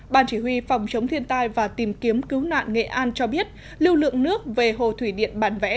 ban chỉ huy phòng chống thiên tai và tìm kiếm cứu nạn nghệ an cho biết lưu lượng nước về hồ thủy điện bản vẽ